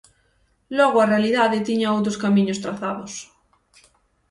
Logo a realidade tiña outros camiños trazados.